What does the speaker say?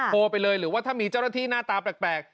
โทรไปเลยหรือว่าถ้ามีเจ้าหน้าที่หน้าตาแปลก